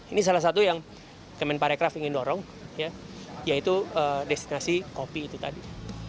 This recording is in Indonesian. ini salah satu yang kemen parekraf ingin dorong yaitu destinasi kopi itu tadi